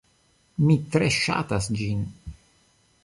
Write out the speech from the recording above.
Mi tre ŝatas ĝin.